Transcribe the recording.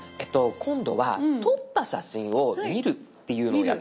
今度は撮った写真を見るっていうのをやってみたいと思います。